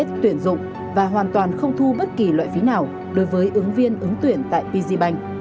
tuyên truyền dụng và hoàn toàn không thu bất kỳ loại phí nào đối với ứng viên ứng tuyển tại pzbank